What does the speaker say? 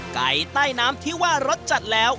ไก่ใต้น้ำที่ว่ารสจัดแล้ว